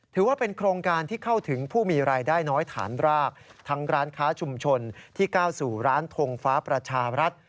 ถือว่าเป็นโครงการที่เข้าถึงผู้มีรายได้น้อยฐานรากทั้งร้านค้าชุมชนที่ก้าวสู่ร้านทงฟ้าประชารัฐ